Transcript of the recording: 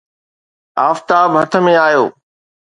آفتاب هٿ ۾ آيو